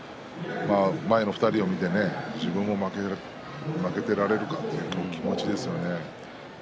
前の２人を見て、自分も負けていられるかという気持ちですよね。